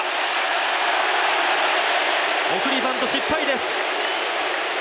送りバント失敗です。